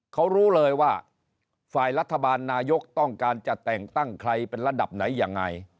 เขารู้เลยว่าฝ่ายรัฐบาลนายกต้องการจะแต่งตั้งใครเป็นระดับไหนยังไง